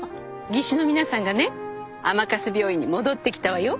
技師の皆さんがね甘春病院に戻ってきたわよ